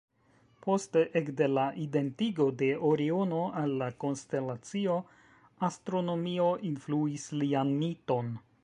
Poste, ekde la identigo de Oriono al la konstelacio, astronomio influis lian miton.